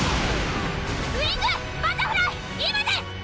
ウィングバタフライ今です！